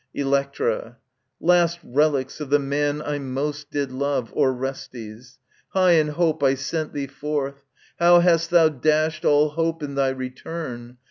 ELECTRA Last relics of the man I most did love, Orestes ! high in hope I sent thee forth ; How hast thou dashed all hope in thy return